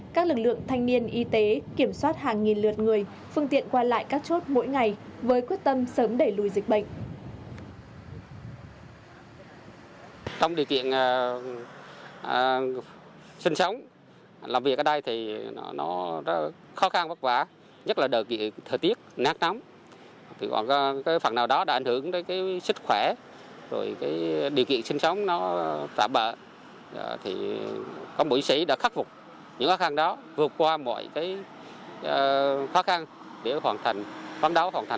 các lực lượng thanh niên y tế kiểm soát hàng nghìn lượt người phương tiện qua lại các chốt mỗi ngày với quyết tâm sớm để lùi dịch bệnh